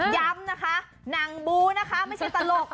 ย้ำนะคะหนังบูนะคะไม่ใช่ตลก